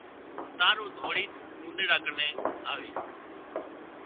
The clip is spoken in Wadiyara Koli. تار او ڌوڙينَ اونۮيڙا ڪنين آوي